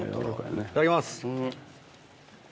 いただきます。